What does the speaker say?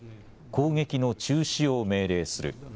攻撃の中止を命令する。